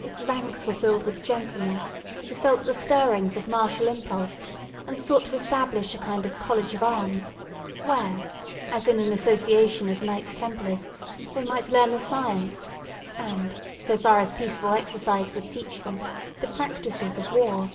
Its ranks were filled with gentlemen who felt the stirrings of martial impulse, and sought to establish a kind of College of Arms, where, as in an association of Knights Templars, they might learn the science, and, so far as peaceful exercise would teach them, the practices of war.